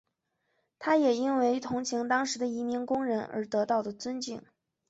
他也因为同情当时的移民工人而得到的尊敬。